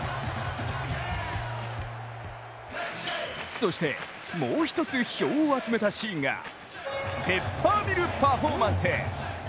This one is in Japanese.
そしてもう一つ、票を集めたシーンがペッパーミルパフォーマンス。